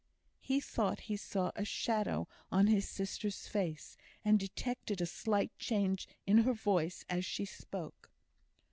He thought he saw a shadow on his sister's face, and detected a slight change in her voice as she spoke.